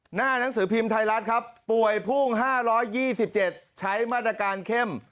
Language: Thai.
หน้านังสือพิมพ์ไทยรัฐครับป่วยพุ่ง๕๒๗ใช้มาตรการเข้ม